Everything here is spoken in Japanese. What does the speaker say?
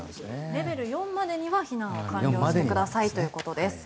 レベル４までには避難を完了してくださいということです。